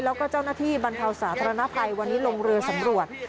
แล้วก็เจ้าหน้าที่บรรเทาสาธารณภัยวันนี้ลงเรือสำรวจ